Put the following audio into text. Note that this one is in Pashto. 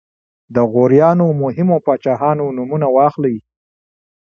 د غوریانو مهمو پاچاهانو نومونه واخلئ.